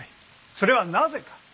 それはなぜか？